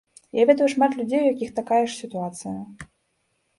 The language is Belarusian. Я ведаю шмат людзей, у якіх такая ж сітуацыя.